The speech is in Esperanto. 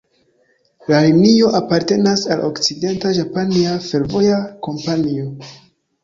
La linio apartenas al Okcident-Japania Fervoja Kompanio.